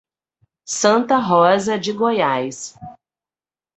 Santa Rosa de Goiás